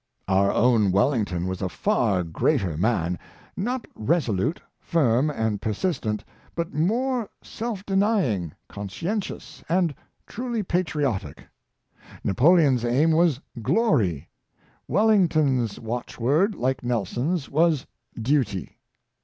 Our own Wellington was a far greater man. Not less resolute, firm, and persistent, but more self deny ing, conscientious, and truly patriotic. Napoleon's aim was "Glory;" Wellington's watchword, like Nelson's^ was "Duty."